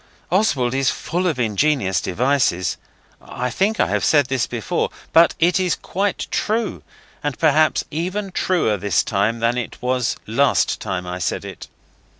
Oswald is full of ingenious devices. I think I have said this before, but it is quite true; and perhaps even truer this time than it was last time I said it.